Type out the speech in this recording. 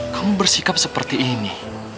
kamu bersikap seperti ini